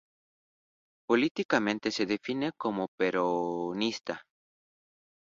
Políticamente se define como peronista.